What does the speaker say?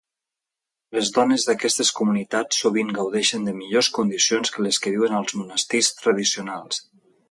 Les dones d'aquestes comunitats sovint gaudeixen de millors condicions que les que viuen als monestirs tradicionals.